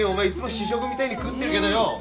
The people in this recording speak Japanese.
試食みたいに食ってるけどよ